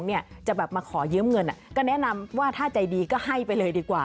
มาขอยืมเงินก็แนะนำว่าถ้าใจดีก็ให้ไปเลยดีกว่า